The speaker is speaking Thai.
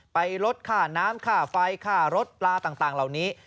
ลดค่าน้ำค่าไฟค่ารถปลาต่างเหล่านี้